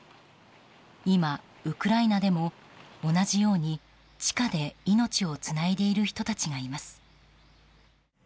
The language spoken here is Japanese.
今、ウクライナでも同じように地下で命をつないでいる人たちがいます。